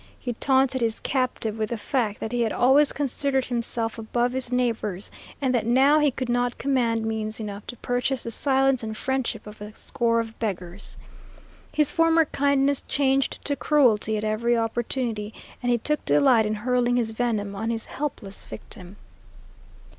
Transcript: He taunted his captive with the fact that he had always considered himself above his neighbors, and that now he could not command means enough to purchase the silence and friendship of a score of beggars! His former kindness changed to cruelty at every opportunity; and he took delight in hurling his venom on his helpless victim.